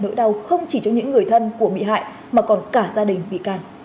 nỗi đau không chỉ cho những người thân của bị hại mà còn cả gia đình bị can